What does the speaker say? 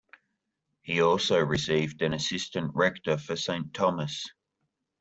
He also received an assistant rector for Saint Thomas.